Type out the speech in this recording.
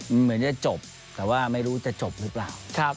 เหมือนจะจบแต่ว่าไม่รู้จะจบหรือเปล่า